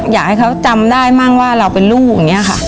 อยากให้เขาจำได้มากว่าเราเป็นลูกเนี่ยค่ะ